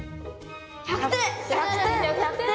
１００点！